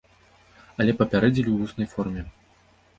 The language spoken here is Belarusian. Але папярэдзілі ў вуснай форме.